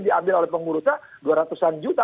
diambil oleh pengurusnya dua ratusan juta